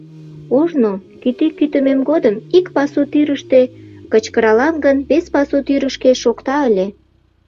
Ожно, кӱтӱ кӱтымем годым, ик пасу тӱрыштӧ кычкыралам гын, вес пасу тӱрышкӧ шокта ыле.